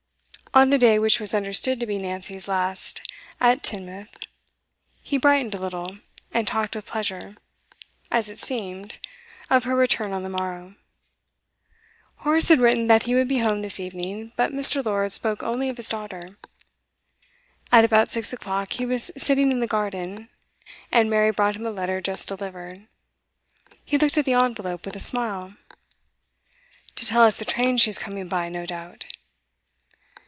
On the day which was understood to be Nancy's last at Teignmouth, he brightened a little, and talked with pleasure, as it seemed, of her return on the morrow. Horace had written that he would be home this evening, but Mr. Lord spoke only of his daughter. At about six o'clock he was sitting in the garden, and Mary brought him a letter just delivered; he looked at the envelope with a smile. 'To tell us the train she's coming by, no doubt.